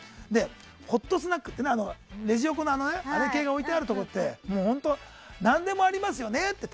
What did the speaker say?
ホットスナックレジ横のあれ系が置いてあるところって何でもありますよね